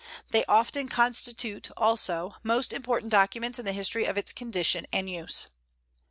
They often constitute, also, most important documents in the history of its condition and use.